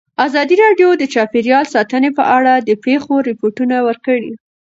ازادي راډیو د چاپیریال ساتنه په اړه د پېښو رپوټونه ورکړي.